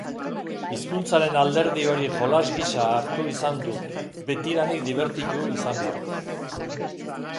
Hizkuntzaren alderdi hori jolas gisa hartu izan dut, betidanik dibertitu izan nau.